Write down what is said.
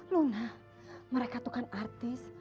luna mereka tuh kan artis